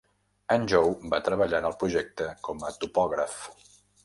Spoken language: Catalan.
En Joe va treballar en el projecte com a topògraf.